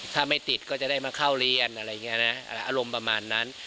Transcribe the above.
ถ้าไม่ติดก็จะได้มาเข้าเรียนอะไรอย่างนี้นะอารมณ์ประมาณนั้น